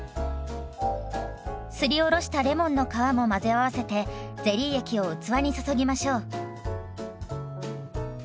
すりおろしたレモンの皮も混ぜ合わせてゼリー液を器に注ぎましょう。